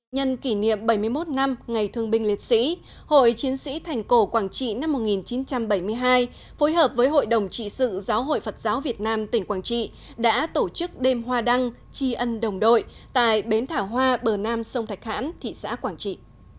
nhân kỷ niệm bảy mươi một năm ngày thương binh liệt sĩ hội chiến sĩ thành cổ quảng trị năm một nghìn chín trăm bảy mươi hai phối hợp với hội đồng trị sự giáo hội phật giáo việt nam tỉnh quảng trị đã tổ chức đêm hoa đăng chi ân đồng đội tại bến thảo hoa bờ nam sông thạch hãn thị xã quảng trị